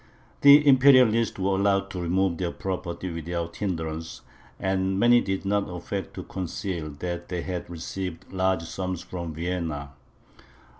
The Imperialists were allowed to remove their property without hindrance, and many did not affect to conceal that they had received large sums from Vienna.